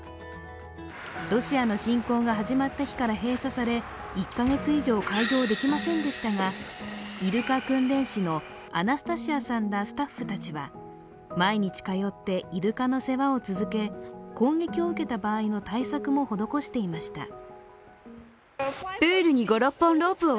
ロシアの侵攻が始まった日から閉鎖され１カ月以上開業できませんでしたがイルカ訓練士のアナスタシアさんらスタッフたちは毎日かよってイルカの世話を続け攻撃を受けた場合の対策も施していました。